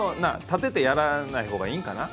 立ててやらないほうがいいんかな。